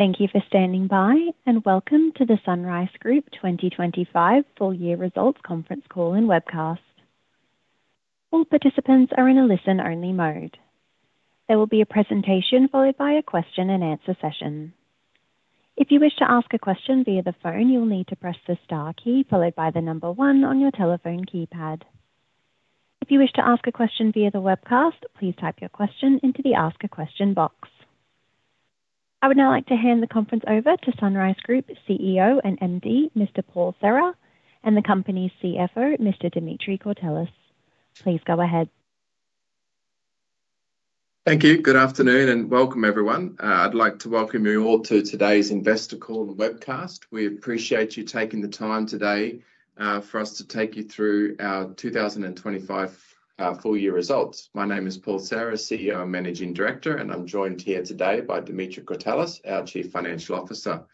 Thank you for standing by, and welcome to the SunRice Group 2025 full-year results conference call and webcast. All participants are in a listen-only mode. There will be a presentation followed by a question-and-answer session. If you wish to ask a question via the phone, you'll need to press the star key followed by the number one on your telephone keypad. If you wish to ask a question via the webcast, please type your question into the ask-a-question box. I would now like to hand the conference over to SunRice Group CEO and Managing Director, Mr. Paul Serra, and the company's CFO, Mr. Dimitri Courtelis. Please go ahead. Thank you. Good afternoon and welcome, everyone. I'd like to welcome you all to today's investor call and webcast. We appreciate you taking the time today for us to take you through our 2025 full-year results. My name is Paul Serra, CEO and Managing Director, and I'm joined here today by Dimitri Courtelis, our Chief Financial Officer.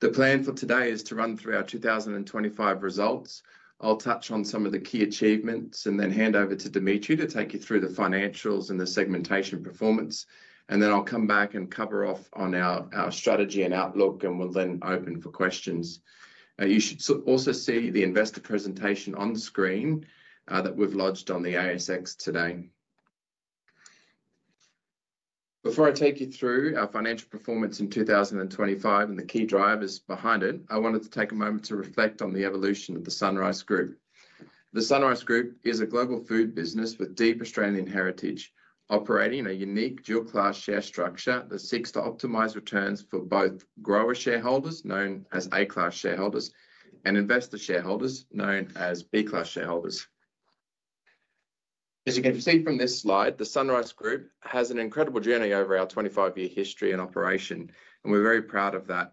The plan for today is to run through our 2025 results. I'll touch on some of the key achievements and then hand over to Dimitri to take you through the financials and the segmentation performance. I will come back and cover off on our strategy and outlook, and we will then open for questions. You should also see the investor presentation on the screen that we've lodged on the ASX today. Before I take you through our financial performance in 2025 and the key drivers behind it, I wanted to take a moment to reflect on the evolution of the SunRice Group. The SunRice Group is a global food business with deep Australian heritage, operating in a unique dual-class share structure that seeks to optimize returns for both grower shareholders, known as A-class shareholders, and investor shareholders, known as B-class shareholders. As you can see from this slide, the SunRice Group has an incredible journey over our 25-year history and operation, and we're very proud of that.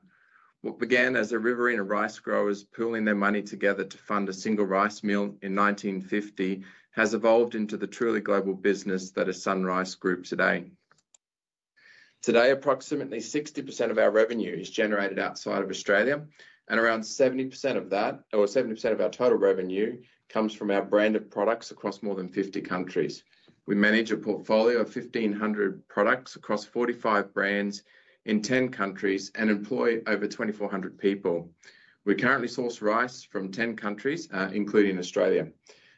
What began as a Riverina of rice growers pooling their money together to fund a single rice mill in 1950 has evolved into the truly global business that is SunRice Group today. Today, approximately 60% of our revenue is generated outside of Australia, and around 70% of that, or 70% of our total revenue, comes from our branded products across more than 50 countries. We manage a portfolio of 1,500 products across 45 brands in 10 countries and employ over 2,400 people. We currently source rice from 10 countries, including Australia.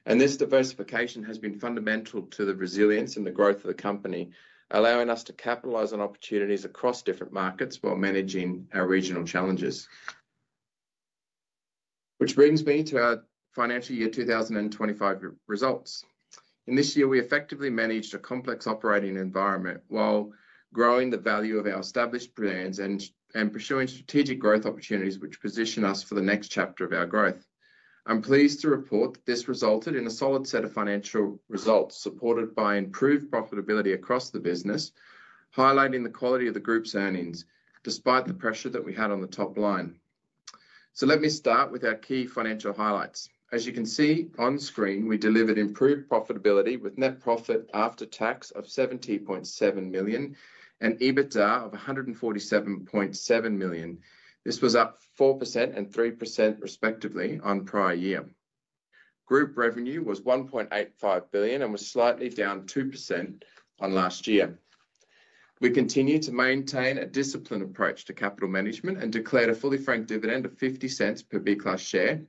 This diversification has been fundamental to the resilience and the growth of the company, allowing us to capitalize on opportunities across different markets while managing our regional challenges. Which brings me to our financial year 2025 results. In this year, we effectively managed a complex operating environment while growing the value of our established brands and pursuing strategic growth opportunities which position us for the next chapter of our growth. I'm pleased to report that this resulted in a solid set of financial results supported by improved profitability across the business, highlighting the quality of the group's earnings despite the pressure that we had on the top line. Let me start with our key financial highlights. As you can see on screen, we delivered improved profitability with net profit after tax of 17.7 million and EBITDA of 147.7 million. This was up 4% and 3% respectively on prior year. Group revenue was 1.85 billion and was slightly down 2% on last year. We continue to maintain a disciplined approach to capital management and declared a fully franked dividend of 0.50 per B-class share,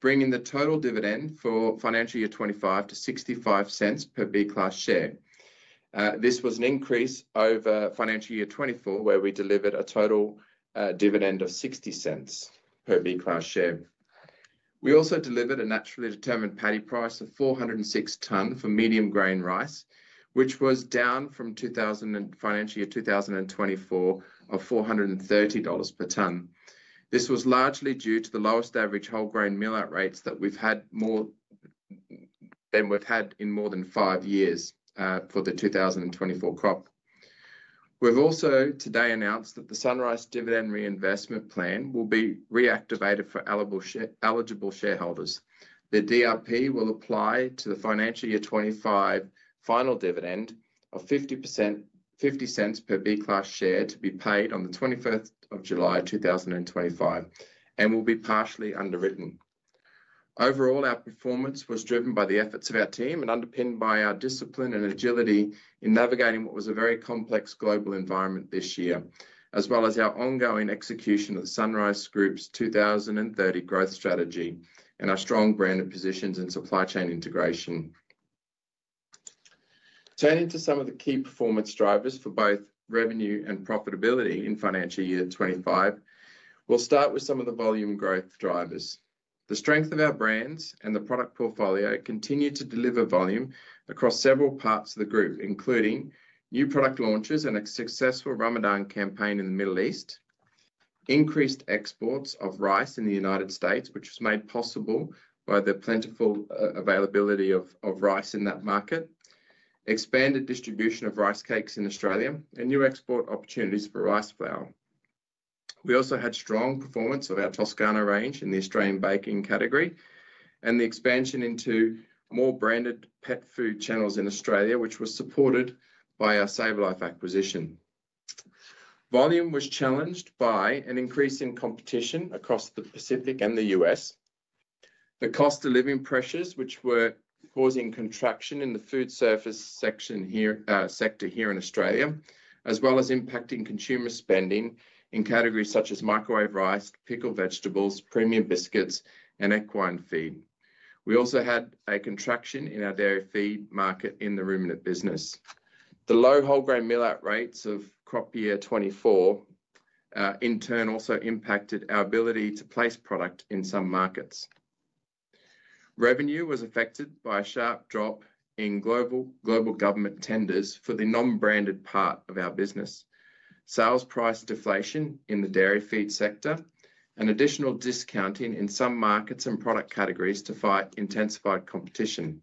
bringing the total dividend for financial year 2025 to 0.65 per B-class share. This was an increase over financial year 2024, where we delivered a total dividend of 0.60 per B-class share. We also delivered a naturally determined paddy price of 406 per tonne for medium grain rice, which was down from financial year 2024 of 430 dollars per tonne. This was largely due to the lowest average whole grain mill out rates that we've had in more than five years for the 2024 crop. We've also today announced that the SunRice Dividend Reinvestment Plan will be reactivated for eligible shareholders. The DRP will apply to the financial year 2025 final dividend of 0.50 per B-class share to be paid on the 21st of July 2025 and will be partially underwritten. Overall, our performance was driven by the efforts of our team and underpinned by our discipline and agility in navigating what was a very complex global environment this year, as well as our ongoing execution of the SunRice Group's 2030 growth strategy and our strong branded positions and supply chain integration. Turning to some of the key performance drivers for both revenue and profitability in financial year 2025, we'll start with some of the volume growth drivers. The strength of our brands and the product portfolio continue to deliver volume across several parts of the group, including new product launches and a successful Ramadan campaign in the Middle East, increased exports of rice in the United States, which was made possible by the plentiful availability of rice in that market, expanded distribution of rice cakes in Australia, and new export opportunities for rice flour. We also had strong performance of our Toscano range in the Australian baking category and the expansion into more branded pet food channels in Australia, which was supported by our SavourLife acquisition. Volume was challenged by an increase in competition across the Pacific and the US, the cost of living pressures, which were causing contraction in the food service sector here in Australia, as well as impacting consumer spending in categories such as microwave rice, pickled vegetables, premium biscuits, and equine feed. We also had a contraction in our dairy feed market in the ruminant business. The low whole grain mill out rates of crop year 2024 in turn also impacted our ability to place product in some markets. Revenue was affected by a sharp drop in global government tenders for the non-branded part of our business, sales price deflation in the dairy feed sector, and additional discounting in some markets and product categories to fight intensified competition.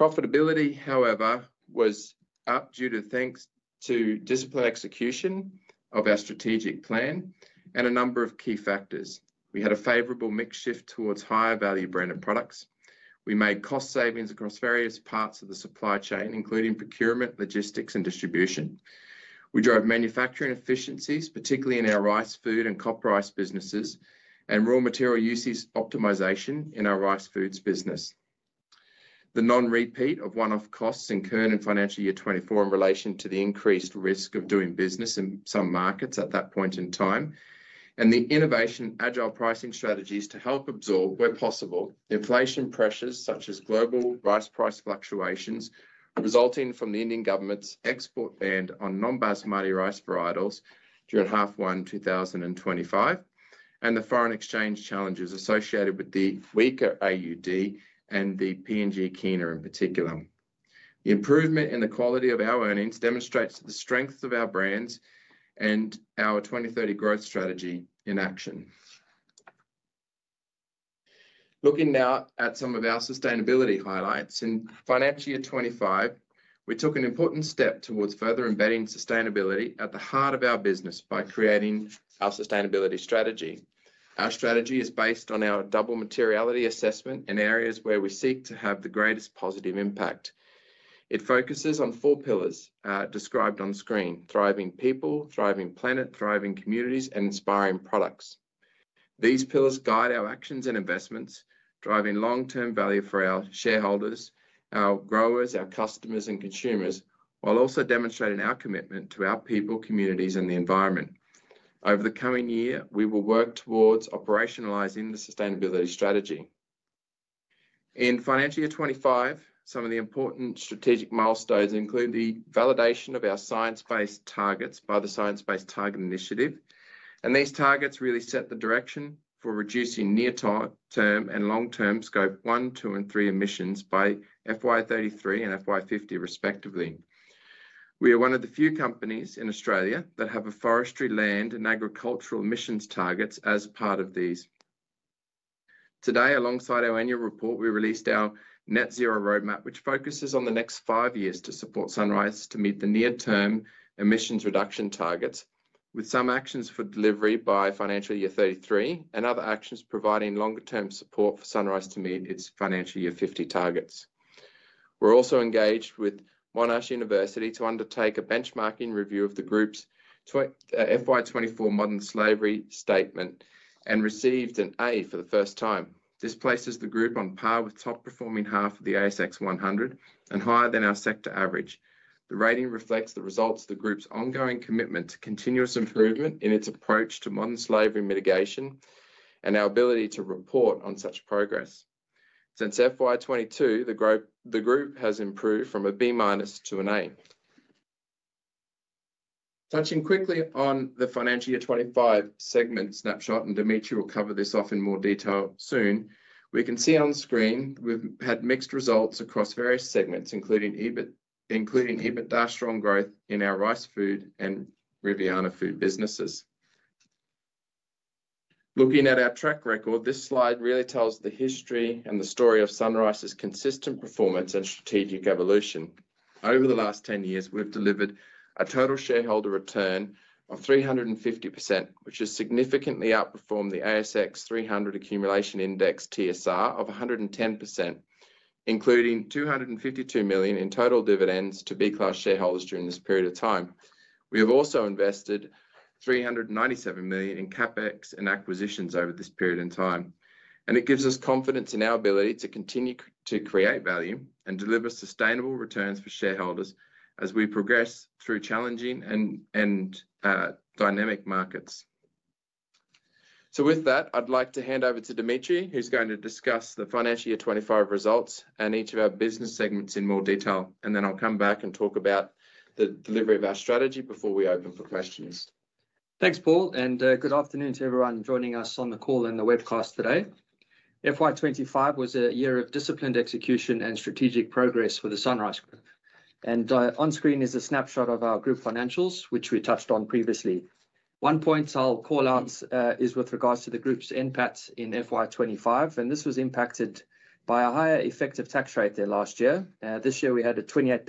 Profitability, however, was up due to thanks to disciplined execution of our strategic plan and a number of key factors. We had a favorable mix shift towards higher value branded products. We made cost savings across various parts of the supply chain, including procurement, logistics, and distribution. We drove manufacturing efficiencies, particularly in our Rice Food and CopRice businesses, and raw material usage optimization in our Rice Food business. The non-repeat of one-off costs incurred in financial year 2024 in relation to the increased risk of doing business in some markets at that point in time, and the innovation agile pricing strategies to help absorb, where possible, inflation pressures such as global rice price fluctuations resulting from the Indian government's export ban on non-Basmati rice varietals during half one 2025, and the foreign exchange challenges associated with the weaker AUD and the PNG Kina in particular. The improvement in the quality of our earnings demonstrates the strength of our brands and our 2030 growth strategy in action. Looking now at some of our sustainability highlights, in financial year 2025, we took an important step towards further embedding sustainability at the heart of our business by creating our sustainability strategy. Our strategy is based on our double materiality assessment in areas where we seek to have the greatest positive impact. It focuses on four pillars described on screen: thriving people, thriving planet, thriving communities, and inspiring products. These pillars guide our actions and investments, driving long-term value for our shareholders, our growers, our customers, and consumers, while also demonstrating our commitment to our people, communities, and the environment. Over the coming year, we will work towards operationalizing the sustainability strategy. In financial year 2025, some of the important strategic milestones include the validation of our science-based targets by the Science Based Target Initiative. These targets really set the direction for reducing near-term and long-term scope one, two, and three emissions by FY33 and FY50, respectively. We are one of the few companies in Australia that have a forestry, land, and agricultural emissions targets as part of these. Today, alongside our annual report, we released our net zero roadmap, which focuses on the next five years to support SunRice to meet the near-term emissions reduction targets, with some actions for delivery by financial year 2033 and other actions providing longer-term support for SunRice to meet its financial year 2050 targets. We are also engaged with Monash University to undertake a benchmarking review of the group's FY24 modern slavery statement and received an A for the first time. This places the group on par with the top-performing half of the ASX 100 and higher than our sector average. The rating reflects the results of the group's ongoing commitment to continuous improvement in its approach to modern slavery mitigation and our ability to report on such progress. Since FY 2022, the group has improved from a B minus to an A. Touching quickly on the financial year 2025 segment snapshot, and Dimitri will cover this off in more detail soon, we can see on screen we've had mixed results across various segments, including EBITDA strong growth in our Rice Food and Riviana Foods businesses. Looking at our track record, this slide really tells the history and the story of SunRice's consistent performance and strategic evolution. Over the last 10 years, we've delivered a total shareholder return of 350%, which has significantly outperformed the ASX 300 accumulation index TSR of 110%, including 252 million in total dividends to B-class shareholders during this period of time. We have also invested 397 million in CapEx and acquisitions over this period in time. It gives us confidence in our ability to continue to create value and deliver sustainable returns for shareholders as we progress through challenging and dynamic markets. With that, I'd like to hand over to Dimitri, who's going to discuss the financial year 2025 results and each of our business segments in more detail. I'll come back and talk about the delivery of our strategy before we open for questions. Thanks, Paul, and good afternoon to everyone joining us on the call and the webcast today. FY25 was a year of disciplined execution and strategic progress for the SunRice Group. On screen is a snapshot of our group financials, which we touched on previously. One point I'll call out is with regards to the group's impact in FY25, and this was impacted by a higher effective tax rate there last year. This year, we had a 28%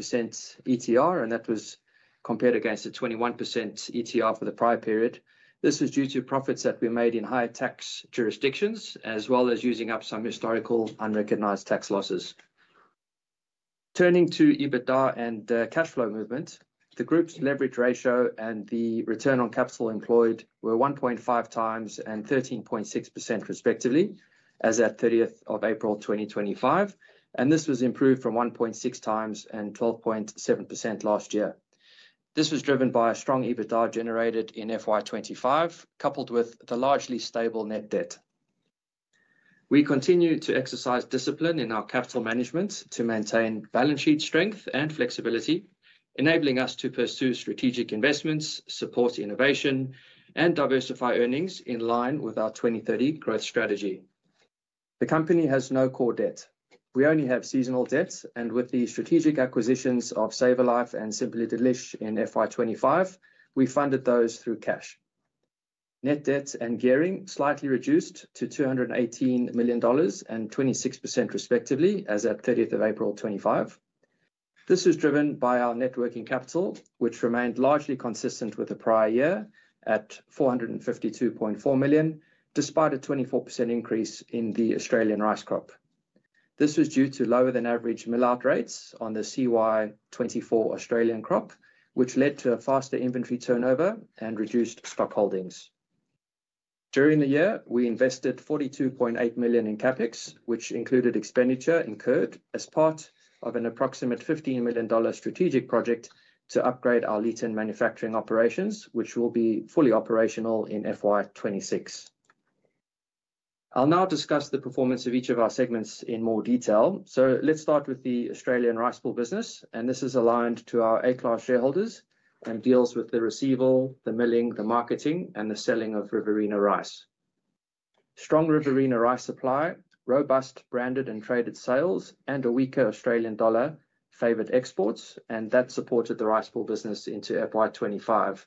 ETR, and that was compared against a 21% ETR for the prior period. This was due to profits that we made in high tax jurisdictions, as well as using up some historical unrecognized tax losses. Turning to EBITDA and cash flow movement, the group's leverage ratio and the return on capital employed were 1.5 times and 13.6%, respectively, as at 30th of April 2025. This was improved from 1.6 times and 12.7% last year. This was driven by a strong EBITDA generated in FY25, coupled with the largely stable net debt. We continue to exercise discipline in our capital management to maintain balance sheet strength and flexibility, enabling us to pursue strategic investments, support innovation, and diversify earnings in line with our 2030 growth strategy. The company has no core debt. We only have seasonal debts, and with the strategic acquisitions of SavourLife and Simply Delish in FY25, we funded those through cash. Net debt and gearing slightly reduced to 218 million dollars and 26%, respectively, as at 30th of April 2025. This was driven by our net working capital, which remained largely consistent with the prior year at 452.4 million, despite a 24% increase in the Australian rice crop. This was due to lower than average mill out rates on the CY24 Australian crop, which led to a faster inventory turnover and reduced stock holdings. During the year, we invested 42.8 million in CapEx, which included expenditure incurred as part of an approximate 15 million dollar strategic project to upgrade our Leeton manufacturing operations, which will be fully operational in FY26. I'll now discuss the performance of each of our segments in more detail. Let's start with the Australian Rice Pool business, and this is aligned to our A-class shareholders and deals with the receival, the milling, the marketing, and the selling of Riverina rice. Strong Riverina rice supply, robust branded and traded sales, and a weaker Australian dollar favored exports, and that supported the Rice Pool business into FY25.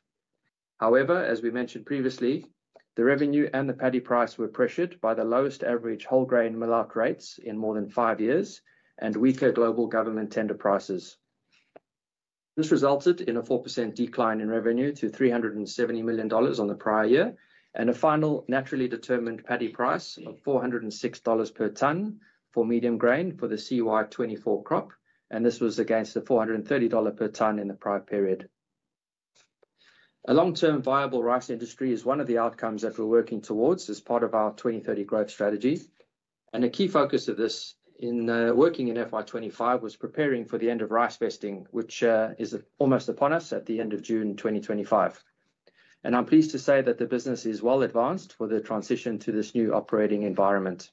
However, as we mentioned previously, the revenue and the paddy price were pressured by the lowest average whole grain mill out rates in more than five years and weaker global government tender prices. This resulted in a 4% decline in revenue to 370 million dollars on the prior year and a final naturally determined paddy price of 406 dollars per tonne for medium grain for the CY24 crop, and this was against the AUD 430 per tonne in the prior period. A long-term viable rice industry is one of the outcomes that we're working towards as part of our 2030 growth strategy. A key focus of this in working in FY25 was preparing for the end of rice vesting, which is almost upon us at the end of June 2025. I'm pleased to say that the business is well advanced for the transition to this new operating environment.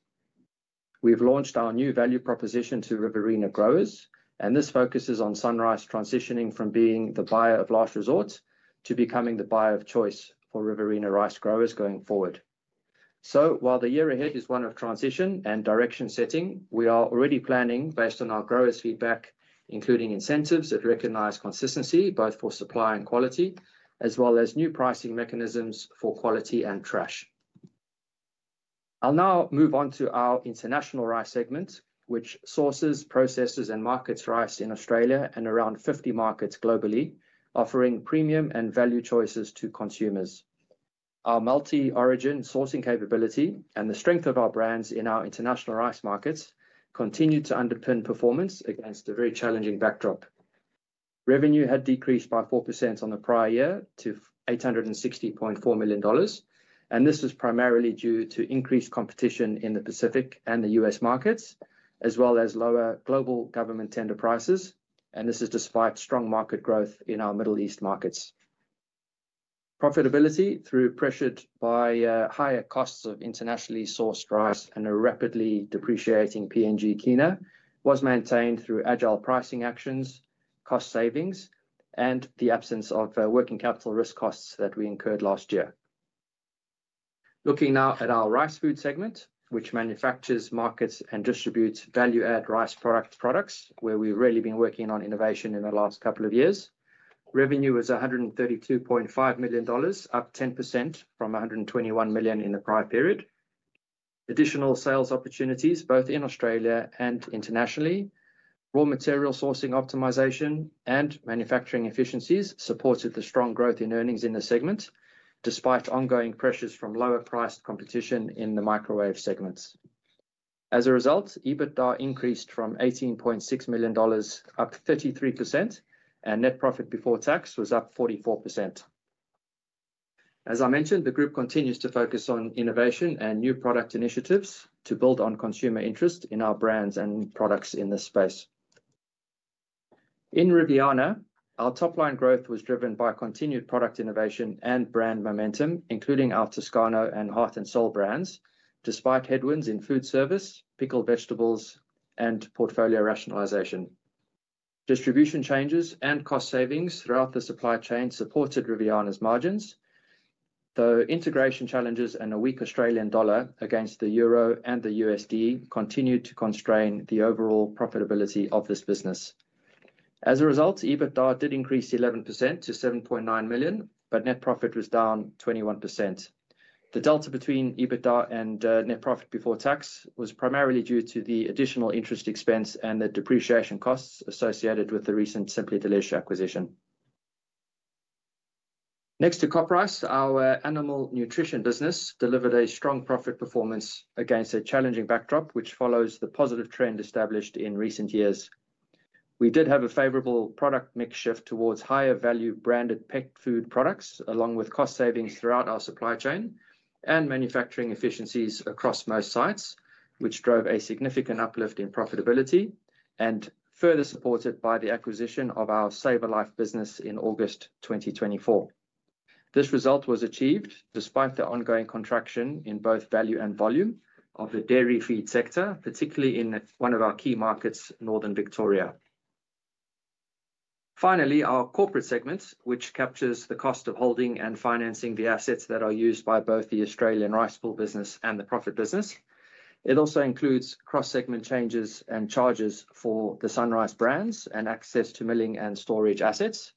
We've launched our new value proposition to Riverina growers, and this focuses on SunRice transitioning from being the buyer of last resort to becoming the buyer of choice for Riverina rice growers going forward. While the year ahead is one of transition and direction setting, we are already planning based on our growers' feedback, including incentives that recognize consistency both for supply and quality, as well as new pricing mechanisms for quality and trash. I'll now move on to our International Rice segment, which sources, processes, and markets rice in Australia and around 50 markets globally, offering premium and value choices to consumers. Our multi-origin sourcing capability and the strength of our brands in our international rice markets continue to underpin performance against a very challenging backdrop. Revenue had decreased by 4% on the prior year to 860.4 million dollars, and this was primarily due to increased competition in the Pacific and the U.S. markets, as well as lower global government tender prices. This is despite strong market growth in our Middle East markets. Profitability, though pressured by higher costs of internationally sourced rice and a rapidly depreciating PNG Kina, was maintained through agile pricing actions, cost savings, and the absence of working capital risk costs that we incurred last year. Looking now at our Rice Food segment, which manufactures, markets, and distributes value-add rice products, where we've really been working on innovation in the last couple of years, revenue was 132.5 million dollars, up 10% from 121 million in the prior period. Additional sales opportunities, both in Australia and internationally, raw material sourcing optimization, and manufacturing efficiencies supported the strong growth in earnings in the segment, despite ongoing pressures from lower-priced competition in the microwave segment. As a result, EBITDA increased to 18.6 million dollars, up 33%, and net profit before tax was up 44%. As I mentioned, the group continues to focus on innovation and new product initiatives to build on consumer interest in our brands and products in this space. In Riviana, our top-line growth was driven by continued product innovation and brand momentum, including our Toscano and Hearth & Soul brands, despite headwinds in food service, pickled vegetables, and portfolio rationalization. Distribution changes and cost savings throughout the supply chain supported Riviana's margins, though integration challenges and a weak Australian dollar against the euro and the USD continued to constrain the overall profitability of this business. As a result, EBITDA did increase 11% to 7.9 million, but net profit was down 21%. The delta between EBITDA and net profit before tax was primarily due to the additional interest expense and the depreciation costs associated with the recent Simply Delish acquisition. Next to crop rice, our animal nutrition business delivered a strong profit performance against a challenging backdrop, which follows the positive trend established in recent years. We did have a favorable product mix shift towards higher value branded pickled food products, along with cost savings throughout our supply chain and manufacturing efficiencies across most sites, which drove a significant uplift in profitability and was further supported by the acquisition of our SavourLife business in August 2024. This result was achieved despite the ongoing contraction in both value and volume of the dairy feed sector, particularly in one of our key markets, Northern Victoria. Finally, our Corporate segment, which captures the cost of holding and financing the assets that are used by both the Australian Rice Pool business and the profit business. It also includes cross-segment changes and charges for the SunRice brands and access to milling and storage assets.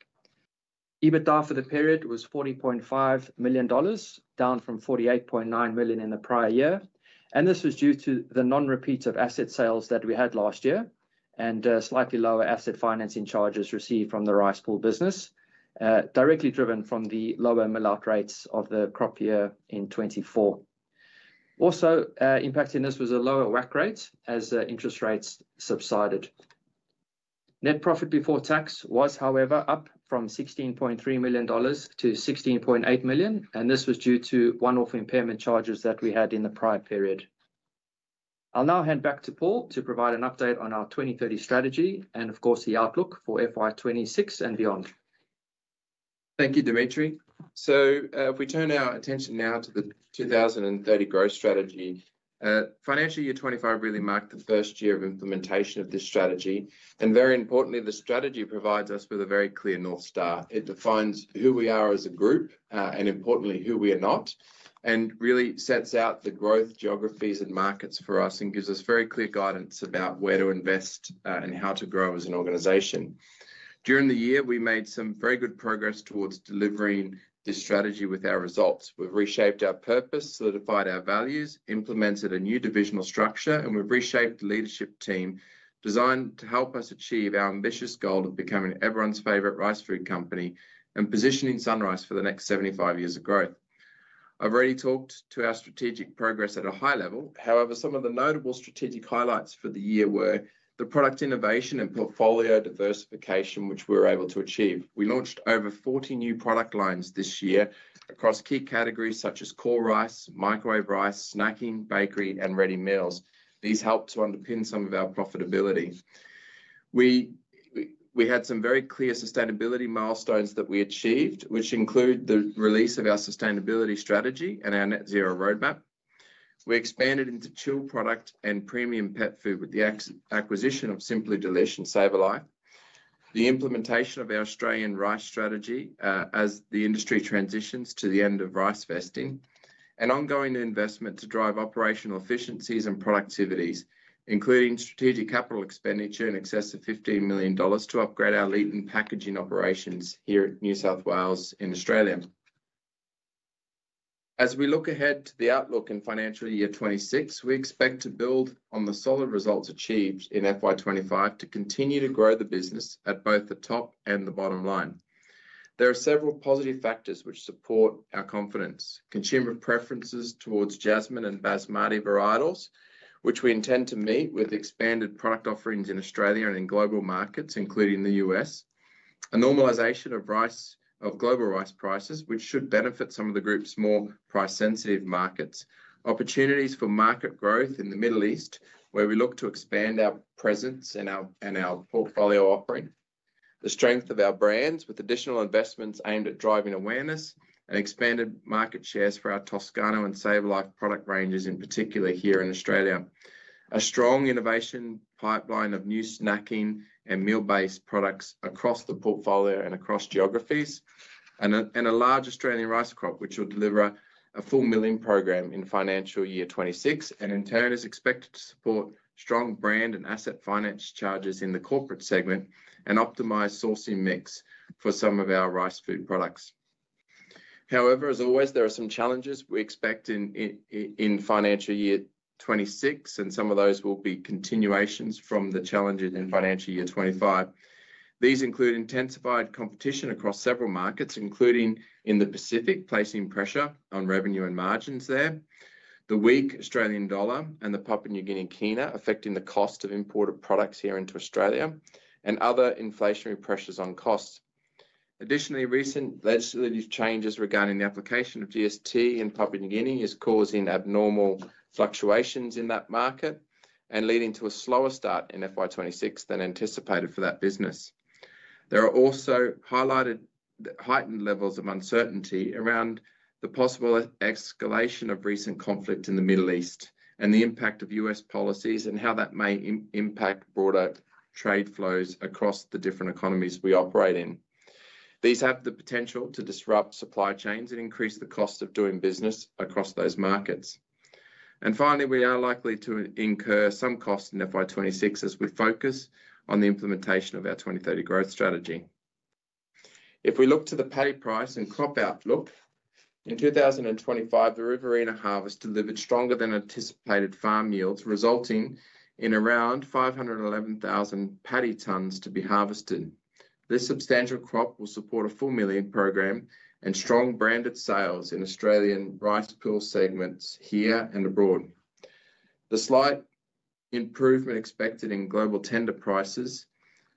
EBITDA for the period was 40.5 million dollars, down from 48.9 million in the prior year. This was due to the non-repeat of asset sales that we had last year and slightly lower asset financing charges received from the rice pool business, directly driven from the lower mill out rates of the crop year in 2024. Also, impacting this was a lower WACC rate as interest rates subsided. Net profit before tax was, however, up from 16.3 million dollars to 16.8 million, and this was due to one-off impairment charges that we had in the prior period. I'll now hand back to Paul to provide an update on our 2030 strategy and, of course, the outlook for FY26 and beyond. Thank you, Dimitri. If we turn our attention now to the 2030 growth strategy, financial year 2025 really marked the first year of implementation of this strategy. Very importantly, the strategy provides us with a very clear North Star. It defines who we are as a group and, importantly, who we are not, and really sets out the growth geographies and markets for us and gives us very clear guidance about where to invest and how to grow as an organization. During the year, we made some very good progress towards delivering this strategy with our results. We have reshaped our purpose, solidified our values, implemented a new divisional structure, and we have reshaped the leadership team designed to help us achieve our ambitious goal of becoming everyone's favorite rice food company and positioning SunRice for the next 75 years of growth. I have already talked to our strategic progress at a high level. However, some of the notable strategic highlights for the year were the product innovation and portfolio diversification, which we were able to achieve. We launched over 40 new product lines this year across key categories such as core rice, microwave rice, snacking, bakery, and ready meals. These helped to underpin some of our profitability. We had some very clear sustainability milestones that we achieved, which include the release of our sustainability strategy and our net zero roadmap. We expanded into chilled product and premium pet food with the acquisition of Simply Delish and SavourLife, the implementation of our Australian rice strategy as the industry transitions to the end of rice vesting, and ongoing investment to drive operational efficiencies and productivities, including strategic capital expenditure in excess of 15 million dollars to upgrade our Leeton packaging operations here in New South Wales in Australia. As we look ahead to the outlook in financial year 2026, we expect to build on the solid results achieved in FY25 to continue to grow the business at both the top and the bottom line. There are several positive factors which support our confidence: consumer preferences towards jasmine and basmati varietals, which we intend to meet with expanded product offerings in Australia and in global markets, including the U.S.; a normalization of global rice prices, which should benefit some of the group's more price-sensitive markets; opportunities for market growth in the Middle East, where we look to expand our presence and our portfolio offering; the strength of our brands with additional investments aimed at driving awareness and expanded market shares for our Toscano and SavourLife product ranges, in particular here in Australia; a strong innovation pipeline of new snacking and meal-based products across the portfolio and across geographies; and a large Australian rice crop, which will deliver a full milling program in financial year 2026. In turn, it is expected to support strong brand and asset finance charges in the Corporate segment and optimize sourcing mix for some of our Rice Food products. However, as always, there are some challenges we expect in financial year 2026, and some of those will be continuations from the challenges in financial year 2025. These include intensified competition across several markets, including in the Pacific, placing pressure on revenue and margins there; the weak Australian dollar and the Papua New Guinea Kina affecting the cost of imported products here into Australia; and other inflationary pressures on costs. Additionally, recent legislative changes regarding the application of GST in Papua New Guinea is causing abnormal fluctuations in that market and leading to a slower start in financial year 2026 than anticipated for that business. There are also highlighted heightened levels of uncertainty around the possible escalation of recent conflict in the Middle East and the impact of U.S. policies and how that may impact broader trade flows across the different economies we operate in. These have the potential to disrupt supply chains and increase the cost of doing business across those markets. Finally, we are likely to incur some cost in FY26 as we focus on the implementation of our 2030 growth strategy. If we look to the paddy price and crop outlook, in 2025, the Riverina harvest delivered stronger than anticipated farm yields, resulting in around 511,000 paddy tons to be harvested. This substantial crop will support a full milling program and strong branded sales in Australian Rice Pool segments here and abroad. The slight improvement expected in global tender prices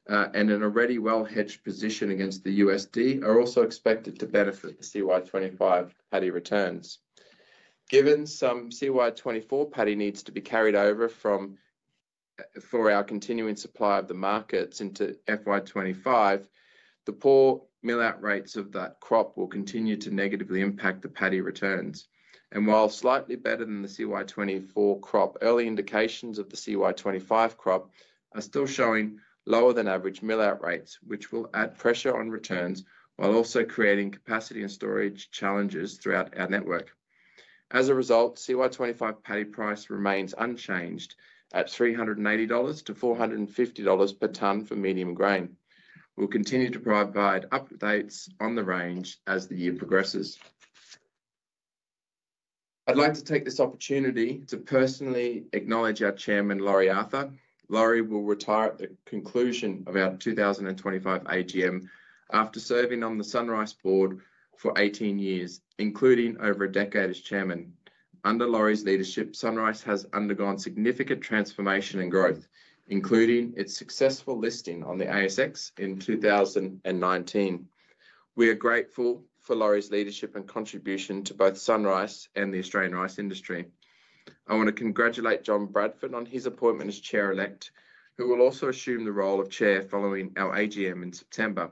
and in a ready well-hedged position against the USD are also expected to benefit the CY25 paddy returns. Given some CY24 paddy needs to be carried over for our continuing supply of the markets into FY25, the poor mill-out rates of that crop will continue to negatively impact the paddy returns. While slightly better than the CY24 crop, early indications of the CY25 crop are still showing lower-than-average mill-out rates, which will add pressure on returns while also creating capacity and storage challenges throughout our network. As a result, the CY25 paddy price remains unchanged at 380-450 dollars per ton for medium grain. We'll continue to provide updates on the range as the year progresses. I'd like to take this opportunity to personally acknowledge our Chairman, Laurie Arthur. Laurie will retire at the conclusion of our 2025 AGM after serving on the SunRice board for 18 years, including over a decade as Chairman. Under Laurie's leadership, SunRice has undergone significant transformation and growth, including its successful listing on the ASX in 2019. We are grateful for Laurie's leadership and contribution to both SunRice and the Australian rice industry. I want to congratulate John Bradford on his appointment as Chair-elect, who will also assume the role of Chair following our AGM in September.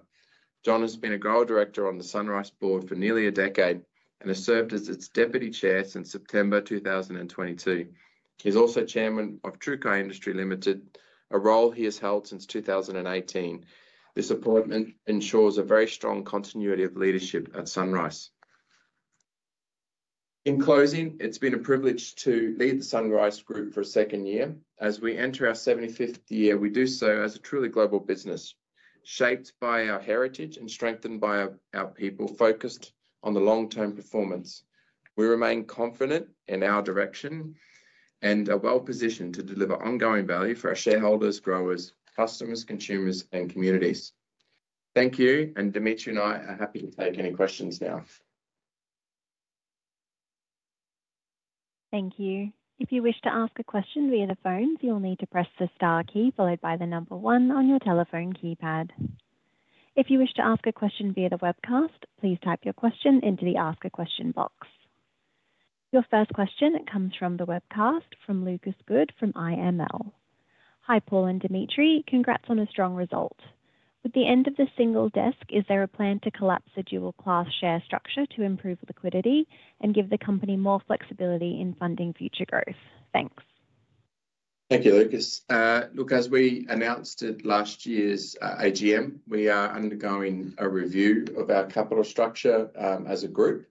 John has been a grower director on the SunRice board for nearly a decade and has served as its Deputy Chair since September 2022. He's also Chairman of TruCo Industry Limited, a role he has held since 2018. This appointment ensures a very strong continuity of leadership at SunRice. In closing, it's been a privilege to lead the SunRice Group for a second year. As we enter our 75th year, we do so as a truly global business, shaped by our heritage and strengthened by our people focused on the long-term performance. We remain confident in our direction and are well-positioned to deliver ongoing value for our shareholders, growers, customers, consumers, and communities. Thank you, and Dimitri and I are happy to take any questions now. Thank you. If you wish to ask a question via the phone, you'll need to press the star key followed by the number one on your telephone keypad. If you wish to ask a question via the webcast, please type your question into the Ask a Question box. Your first question comes from the webcast from Lucas Good from IML. Hi, Paul and Dimitri. Congrats on a strong result. With the end of the single desk, is there a plan to collapse the dual-class share structure to improve liquidity and give the company more flexibility in funding future growth? Thanks. Thank you, Lucas. Look, as we announced at last year's AGM, we are undergoing a review of our capital structure as a group.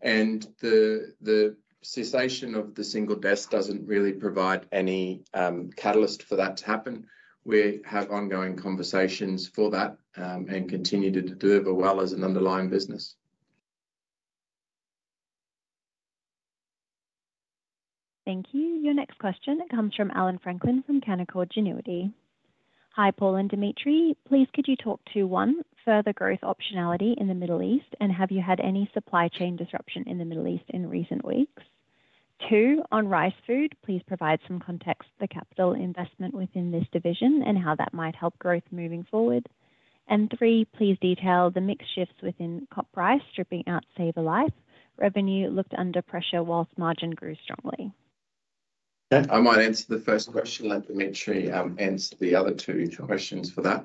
The cessation of the single desk does not really provide any catalyst for that to happen. We have ongoing conversations for that and continue to deliver well as an underlying business. Thank you. Your next question comes from Alan Franklin from Canaccord Genuity. Hi, Paul and Dimitri. Please, could you talk to one, further growth optionality in the Middle East, and have you had any supply chain disruption in the Middle East in recent weeks? Two, on Rice Food, please provide some context to the capital investment within this division and how that might help growth moving forward. Three, please detail the mixed shifts within CopRice stripping out SavourLife. Revenue looked under pressure whilst margin grew strongly. I might answer the first question, let Dimitri answer the other two questions for that.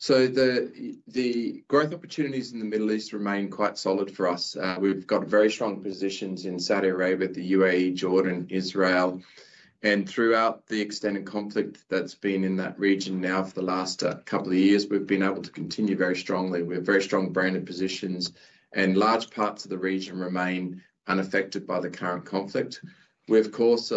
The growth opportunities in the Middle East remain quite solid for us. We have very strong positions in Saudi Arabia, the UAE, Jordan, Israel. Throughout the extended conflict that has been in that region now for the last couple of years, we have been able to continue very strongly. We have very strong branded positions, and large parts of the region remain unaffected by the current conflict. We, of course,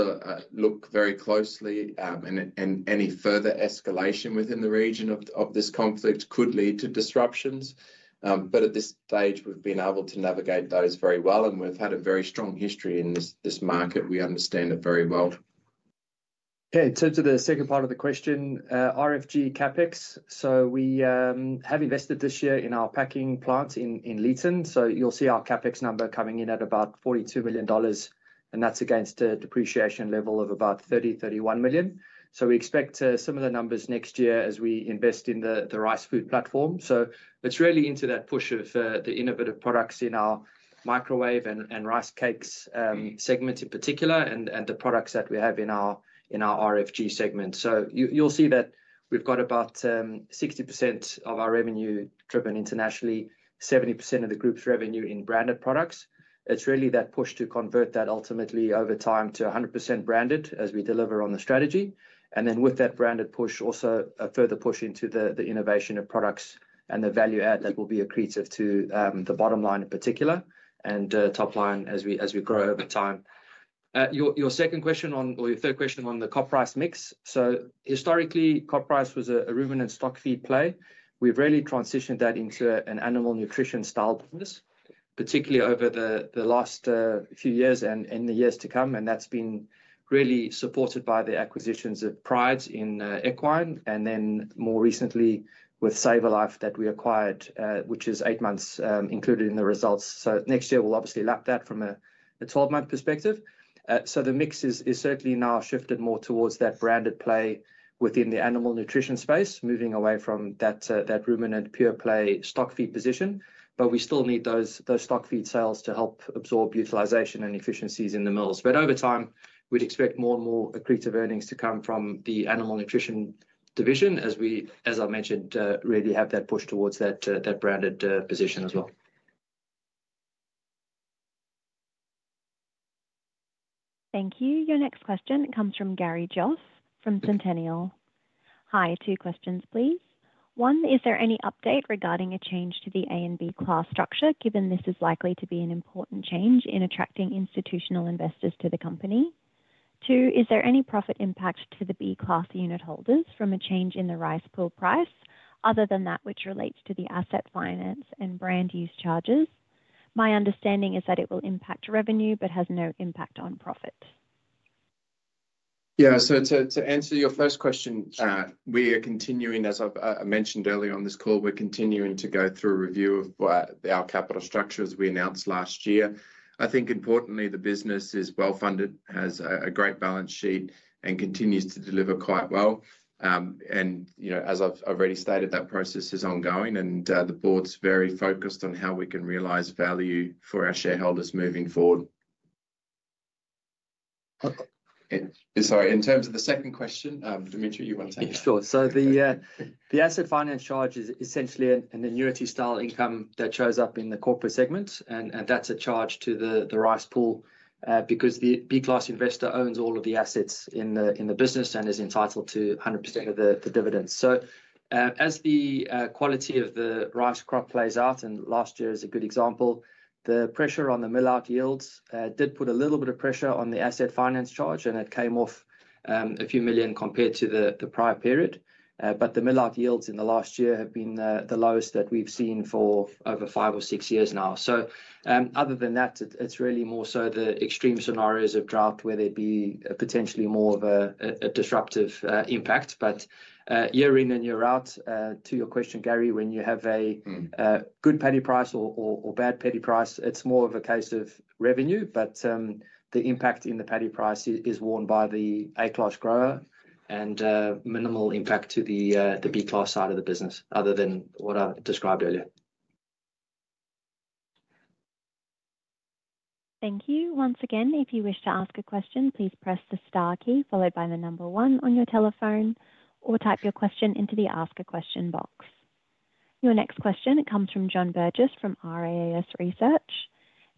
look very closely, and any further escalation within the region of this conflict could lead to disruptions. At this stage, we've been able to navigate those very well, and we've had a very strong history in this market. We understand it very well. Okay, to the second part of the question, RFG CapEx. We have invested this year in our packing plant in Leeton. You'll see our CapEx number coming in at about 42 million dollars, and that's against a depreciation level of about 30-31 million. We expect similar numbers next year as we invest in the Rice Food platform. It's really into that push of the innovative products in our microwave and rice cakes segment in particular, and the products that we have in our RFG segment. You'll see that we've got about 60% of our revenue driven internationally, 70% of the group's revenue in branded products. It's really that push to convert that ultimately over time to 100% branded as we deliver on the strategy. With that branded push, also a further push into the innovation of products and the value add that will be accretive to the bottom line in particular and top line as we grow over time. Your second question on, or your third question on the CopRice mix. Historically, CopRice was a ruminant stock feed play. We've really transitioned that into an animal nutrition style business, particularly over the last few years and in the years to come. That's been really supported by the acquisitions of Pride's in Equine, and then more recently with SavourLife that we acquired, which is eight months included in the results. Next year, we'll obviously lap that from a 12-month perspective. The mix is certainly now shifted more towards that branded play within the animal nutrition space, moving away from that ruminant pure play stock feed position. We still need those stock feed sales to help absorb utilization and efficiencies in the mills. Over time, we'd expect more and more accretive earnings to come from the animal nutrition division as we, as I mentioned, really have that push towards that branded position as well. Thank you. Your next question comes from Gary Jos from Centennial. Hi, two questions, please. One, is there any update regarding a change to the A and B class structure given this is likely to be an important change in attracting institutional investors to the company? Two, is there any profit impact to the B-class unit holders from a change in the rice pool price other than that which relates to the asset finance and brand use charges? My understanding is that it will impact revenue but has no impact on profit. Yeah, to answer your first question, we are continuing, as I mentioned earlier on this call, we're continuing to go through a review of our capital structure as we announced last year. I think importantly, the business is well-funded, has a great balance sheet, and continues to deliver quite well. As I've already stated, that process is ongoing, and the board is very focused on how we can realize value for our shareholders moving forward. Sorry, in terms of the second question, Dimitri, you want to take that? Sure. The asset finance charge is essentially an annuity style income that shows up in the Corporate segment, and that's a charge to the Australian Rice Pool because the B-class investor owns all of the assets in the business and is entitled to 100% of the dividends. As the quality of the rice crop plays out, and last year is a good example, the pressure on the mill-out yields did put a little bit of pressure on the asset finance charge, and it came off a few million compared to the prior period. The mill-out yields in the last year have been the lowest that we've seen for over five or six years now. Other than that, it's really more so the extreme scenarios of drought where there'd be potentially more of a disruptive impact. Year in and year out, to your question, Gary, when you have a good paddy price or bad paddy price, it's more of a case of revenue, but the impact in the paddy price is worn by the A-class grower and minimal impact to the B-class side of the business other than what I described earlier. Thank you. Once again, if you wish to ask a question, please press the star key followed by the number one on your telephone or type your question into the Ask a Question box. Your next question comes from John Burgess from RAAS Research.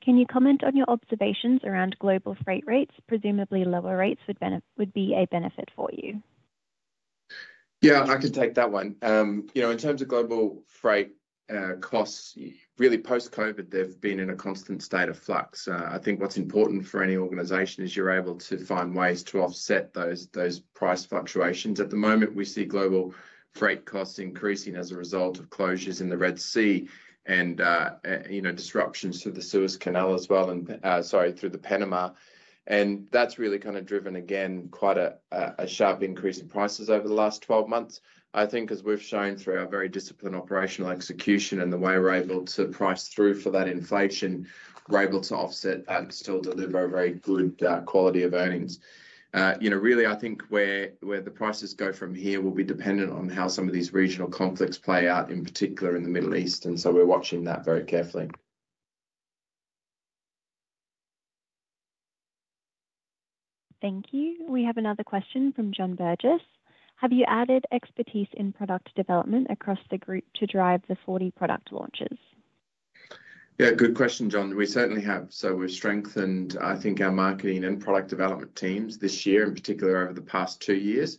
Can you comment on your observations around global freight rates? Presumably, lower rates would be a benefit for you. Yeah, I can take that one. In terms of global freight costs, really post-COVID, they've been in a constant state of flux. I think what's important for any organization is you're able to find ways to offset those price fluctuations. At the moment, we see global freight costs increasing as a result of closures in the Red Sea and disruptions to the Suez Canal as well, and sorry, through the Panama. That's really kind of driven, again, quite a sharp increase in prices over the last 12 months. I think as we've shown through our very disciplined operational execution and the way we're able to price through for that inflation, we're able to offset that and still deliver a very good quality of earnings. Really, I think where the prices go from here will be dependent on how some of these regional conflicts play out, in particular in the Middle East. We are watching that very carefully. Thank you. We have another question from John Burgess. Have you added expertise in product development across the group to drive the 40 product launches? Yeah, good question, John. We certainly have. We have strengthened, I think, our marketing and product development teams this year, in particular over the past two years.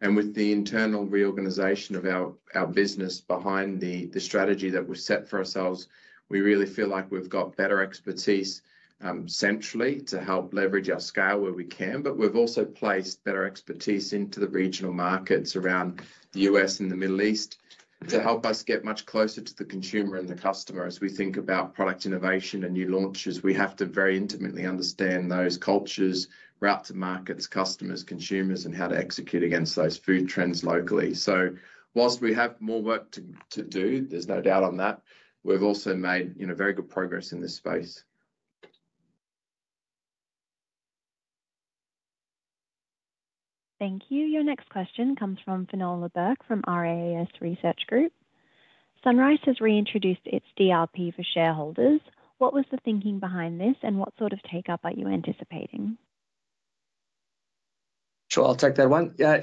With the internal reorganization of our business behind the strategy that we have set for ourselves, we really feel like we have better expertise centrally to help leverage our scale where we can. We have also placed better expertise into the regional markets around the U.S. and the Middle East to help us get much closer to the consumer and the customer as we think about product innovation and new launches. We have to very intimately understand those cultures, routes of markets, customers, consumers, and how to execute against those food trends locally. Whilst we have more work to do, there is no doubt on that, we have also made very good progress in this space. Thank you. Your next question comes from Fenella Burke from RAAS Research Group. SunRice has reintroduced its DRP for shareholders. What was the thinking behind this, and what sort of take-up are you anticipating? Sure, I will take that one. Yeah,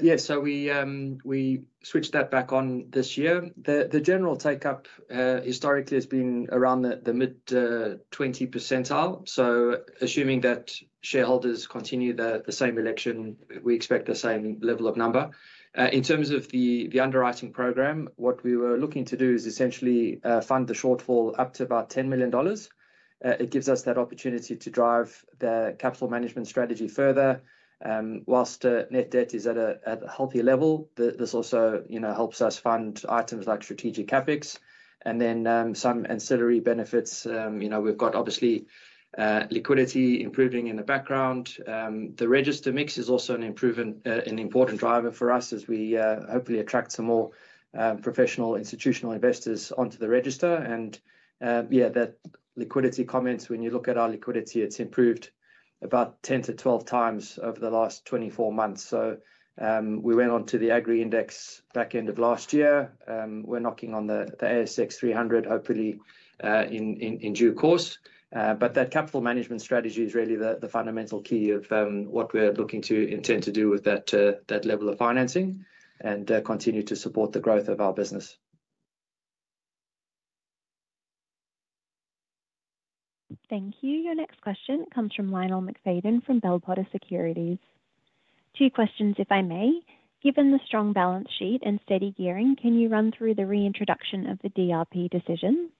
we switched that back on this year. The general take-up historically has been around the mid-20% range. Assuming that shareholders continue the same election, we expect the same level of number. In terms of the underwriting program, what we were looking to do is essentially fund the shortfall up to about 10 million dollars. It gives us that opportunity to drive the capital management strategy further. Whilst net debt is at a healthy level, this also helps us fund items like strategic CapEx and then some ancillary benefits. We have obviously liquidity improving in the background. The register mix is also an important driver for us as we hopefully attract some more professional institutional investors onto the register. Yeah, that liquidity comments, when you look at our liquidity, it has improved about 10-12 times over the last 24 months. We went on to the agri index back end of last year. We are knocking on the ASX 300, hopefully in due course. That capital management strategy is really the fundamental key of what we are looking to intend to do with that level of financing and continue to support the growth of our business. Thank you. Your next question comes from Lionel McFaden from Bell Potter Securities. Two questions, if I may. Given the strong balance sheet and steady gearing, can you run through the reintroduction of the DRP decision?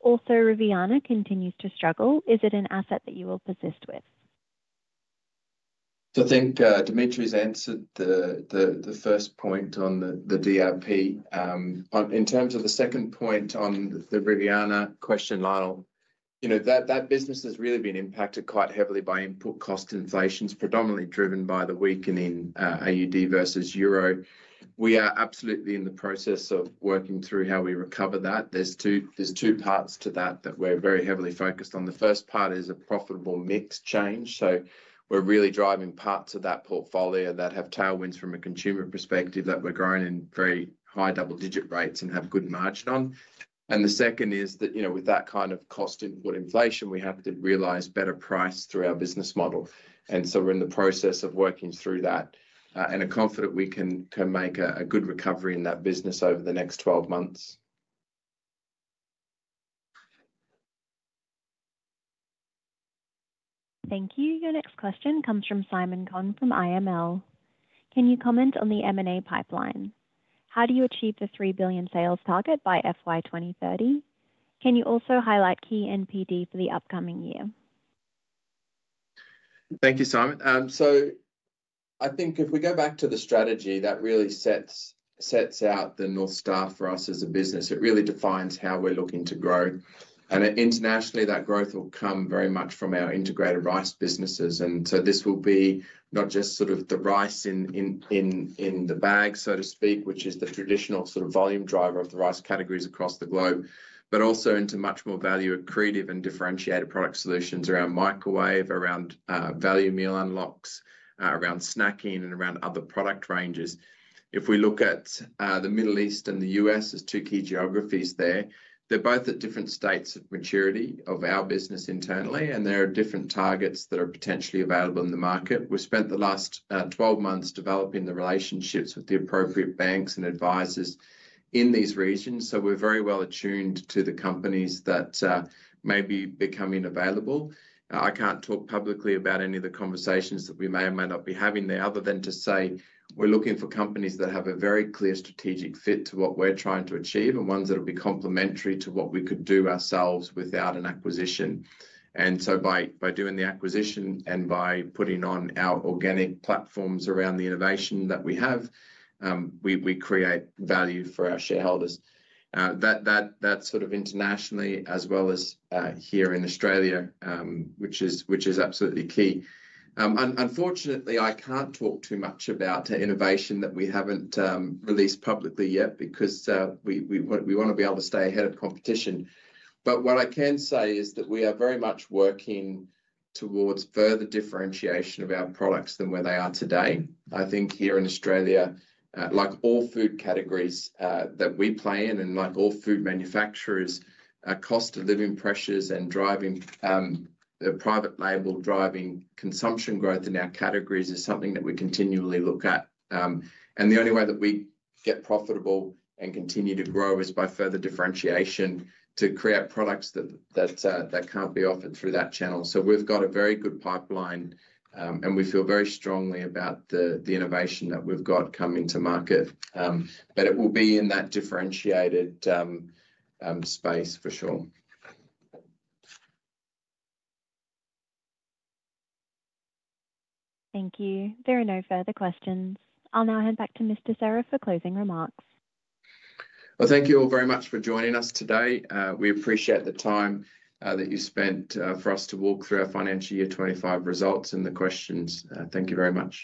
Also, Riviana continues to struggle. Is it an asset that you will persist with? I think Dimitri's answered the first point on the DRP. In terms of the second point on the Riviana question, Lionel, that business has really been impacted quite heavily by input cost inflations, predominantly driven by the weakening AUD versus euro. We are absolutely in the process of working through how we recover that. There are two parts to that that we're very heavily focused on. The first part is a profitable mix change. We are really driving parts of that portfolio that have tailwinds from a consumer perspective that we're growing in very high double-digit rates and have good margin on. The second is that with that kind of cost input inflation, we have to realize better price through our business model. We are in the process of working through that and are confident we can make a good recovery in that business over the next 12 months. Thank you. Your next question comes from Simon Kohn from IML. Can you comment on the M&A pipeline? How do you achieve the 3 billion sales target by FY 2030? Can you also highlight key NPD for the upcoming year? Thank you, Simon. I think if we go back to the strategy that really sets out the North Star for us as a business, it really defines how we are looking to grow. Internationally, that growth will come very much from our integrated rice businesses. This will be not just sort of the rice in the bag, so to speak, which is the traditional sort of volume driver of the rice categories across the globe, but also into much more value accretive and differentiated product solutions around microwave, around value meal unlocks, around snacking, and around other product ranges. If we look at the Middle East and the U.S. as two key geographies there, they're both at different states of maturity of our business internally, and there are different targets that are potentially available in the market. We've spent the last 12 months developing the relationships with the appropriate banks and advisors in these regions. We are very well attuned to the companies that may be becoming available. I can't talk publicly about any of the conversations that we may or may not be having there other than to say we're looking for companies that have a very clear strategic fit to what we're trying to achieve and ones that will be complementary to what we could do ourselves without an acquisition. By doing the acquisition and by putting on our organic platforms around the innovation that we have, we create value for our shareholders. That is sort of internationally, as well as here in Australia, which is absolutely key. Unfortunately, I can't talk too much about innovation that we haven't released publicly yet because we want to be able to stay ahead of competition. What I can say is that we are very much working towards further differentiation of our products than where they are today. I think here in Australia, like all food categories that we play in and like all food manufacturers, cost of living pressures and driving the private label driving consumption growth in our categories is something that we continually look at. The only way that we get profitable and continue to grow is by further differentiation to create products that can't be offered through that channel. We have a very good pipeline, and we feel very strongly about the innovation that we have coming to market. It will be in that differentiated space for sure. Thank you. There are no further questions. I will now hand back to Mr. Serra for closing remarks. Thank you all very much for joining us today. We appreciate the time that you spent for us to walk through our financial year 2025 results and the questions. Thank you very much.